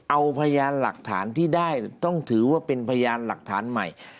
เอาพยานหลักฐานที่ได้ต้องถือว่าเป็นพยานหลักฐานใหม่